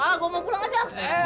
ah gue mau pulang aja